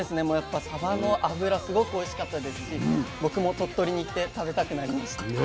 もうやっぱサバの脂すごくおいしかったですし僕も鳥取に行って食べたくなりました。